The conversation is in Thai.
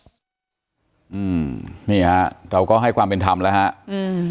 อืมนี่ฮะเราก็ให้ความเป็นธรรมแล้วฮะอืม